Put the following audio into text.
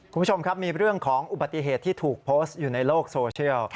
คุณผู้ชมครับมีเรื่องของอุบัติเหตุที่ถูกโพสต์อยู่ในโลกโซเชียล